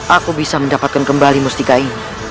aku bisa mendapatkan kembali mustika ini